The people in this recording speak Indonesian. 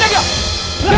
nenggir nenggir nenggir